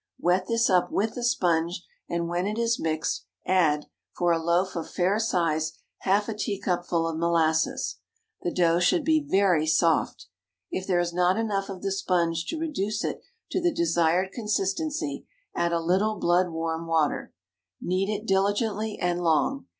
Wet this up with the sponge, and when it is mixed, add, for a loaf of fair size, half a teacupful of molasses. The dough should be very soft. If there is not enough of the sponge to reduce it to the desired consistency, add a little blood warm water. Knead it diligently and long.